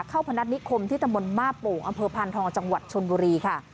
พนัฐนิคมที่ตำบลมาโป่งอำเภอพานทองจังหวัดชนบุรีค่ะ